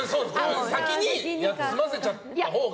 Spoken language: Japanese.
先に済ませちゃった方が。